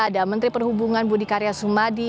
ada menteri perhubungan budi karya sumadi